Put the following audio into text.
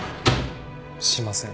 しません。